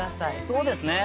そうですね。